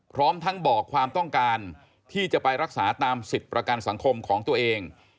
พร้อมทั้งบอกความต้องการที่จะไปรักษาตามสิทธิ์ประกันสังคมของตัวเอง